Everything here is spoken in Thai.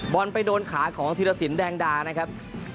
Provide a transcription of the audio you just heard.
บอลไปโดนขาของธีรสินแดงดานะครับ